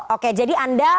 oke jadi anda